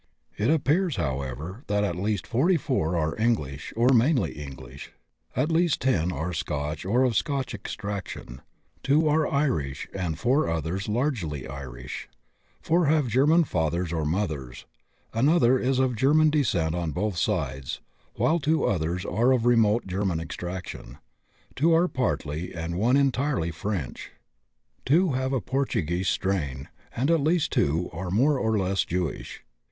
It appears, however, that at least 44 are English or mainly English; at least 10 are Scotch or of Scotch extraction; 2 are Irish and 4 others largely Irish; 4 have German fathers or mothers; another is of German descent on both sides, while 2 others are of remote German extraction; 2 are partly, and 1 entirely, French; 2 have a Portuguese strain, and at least 2 are more or less Jewish.